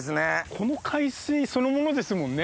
この海水そのものですもんね